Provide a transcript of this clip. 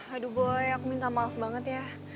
aduh boleh aku minta maaf banget ya